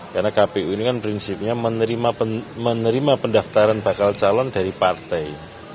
karena kpu ini kan prinsipnya menerima pendaftaran bakal calon dari partai